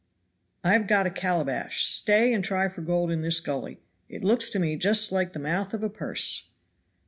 I have got a calabash stay and try for gold in this gully; it looks to me just like the mouth of a purse."